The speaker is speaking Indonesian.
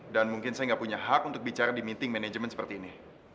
dan mungkin saya nggak punya hak untuk bicara di meeting manajemen seperti ini